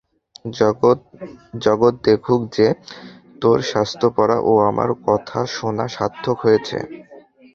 জগৎ দেখুক যে, তোর শাস্ত্র পড়া ও আমার কথা শোনা সার্থক হয়েছে।